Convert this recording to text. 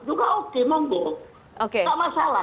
jangan perlu diingat pks sudah biasa begini mbak